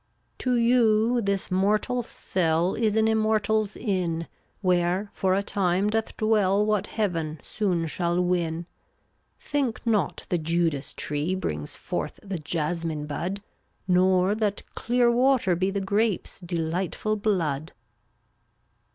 372 To you this mortal cell Is an immortal's inn, Where for a time doth dwell What heaven soon shall win. Think not the Judas tree Brings forth the jasmine bud, Nor that clear water be The grape's delightful blood.